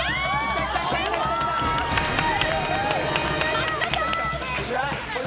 松田さん！